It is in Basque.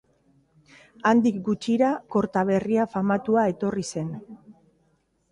Handik gutxira, Kortaberria famatua etorri zen.